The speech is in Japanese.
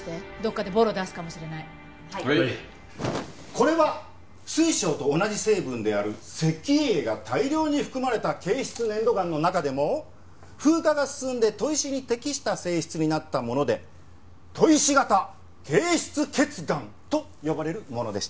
これは水晶と同じ成分である石英が大量に含まれた珪質粘土岩の中でも風化が進んで砥石に適した性質になったもので「砥石型珪質頁岩」と呼ばれるものでした。